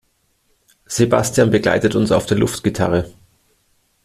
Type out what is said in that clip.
Sebastian begleitet uns auf der Luftgitarre.